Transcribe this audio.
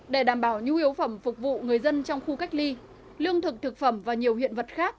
để đảm bảo nhu yếu phẩm phục vụ người dân trong khu cách ly lương thực thực phẩm và nhiều hiện vật khác